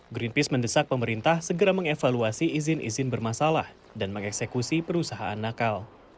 greenpeace mendesak pemerintah segera mengevaluasi izin izin bermasalah dan mengeksekusi perusahaan nakal